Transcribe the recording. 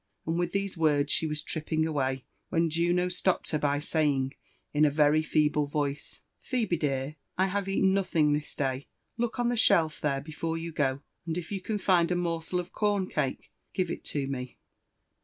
And with these words, she was tripping away, when Juno stopped her by saying, in a very feeble voice, '" Phebe, dear, I have eaten nothing this day. Look on the shelf there, before you go ; and if you can find a morsel of corn cake, give it to me."